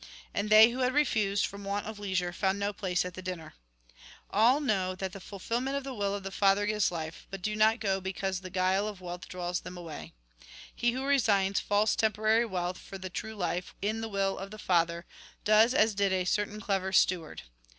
And they who had refused, from want of leisure, found no place at the dinner. " All know that the fulfilment of the will of the Father gives life, but do not go because the guile of wealth draws them away. " He who resigns false temporary wealth for the true life in the will of the Father, does as did a certain clever steward.